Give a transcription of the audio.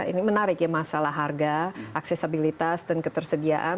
ini menarik ya masalah harga aksesabilitas dan ketersediaan